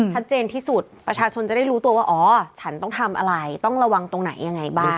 ชัดเจนที่สุดประชาชนจะได้รู้ตัวว่าอ๋อฉันต้องทำอะไรต้องระวังตรงไหนยังไงบ้าง